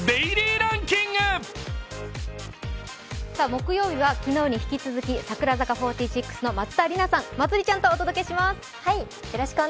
木曜日は、昨日に引き続き、櫻坂４６の松田里奈さん、まつりちゃんとお届けします。